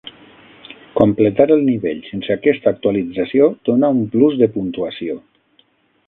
Completar el nivell sense aquesta actualització dona un plus de puntuació.